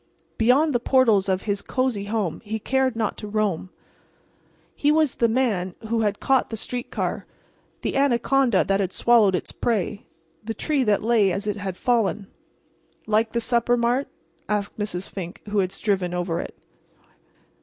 Beyond the portals of his cozy home he cared not to roam, to roam. He was the man who had caught the street car, the anaconda that had swallowed its prey, the tree that lay as it had fallen. "Like the supper, Mart?" asked Mrs. Fink, who had striven over it.